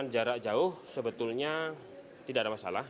jarak jauh sebetulnya tidak ada masalah